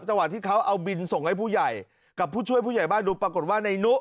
ที่เขาเอาบินส่งให้ผู้ใหญ่กับผู้ช่วยผู้ใหญ่บ้านดูปรากฏว่าในนุ